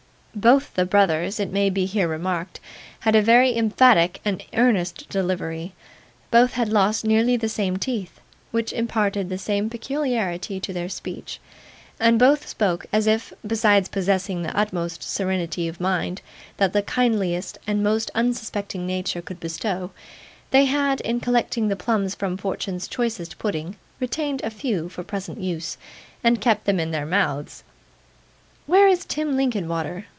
Both the brothers, it may be here remarked, had a very emphatic and earnest delivery; both had lost nearly the same teeth, which imparted the same peculiarity to their speech; and both spoke as if, besides possessing the utmost serenity of mind that the kindliest and most unsuspecting nature could bestow, they had, in collecting the plums from Fortune's choicest pudding, retained a few for present use, and kept them in their mouths. 'Where is Tim Linkinwater?